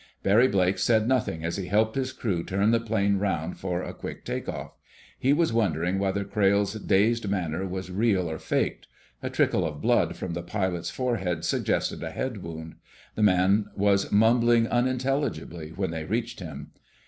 Barry Blake said nothing as he helped his crew turn the plane around for a quick take off. He was wondering whether Crayle's dazed manner was real or faked. A trickle of blood from the pilot's forehead suggested a head wound. The man was mumbling unintelligibly when they reached him.